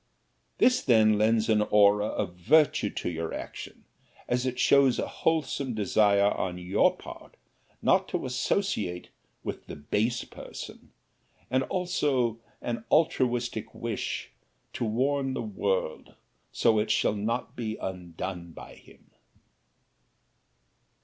This then lends an aura of virtue to your action, as it shows a wholesome desire on your part not to associate with the base person, and also an altruistic wish to warn the world so it shall not be undone by him.